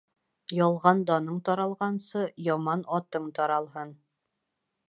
Ялған даның таралғансы, яман атың таралһын.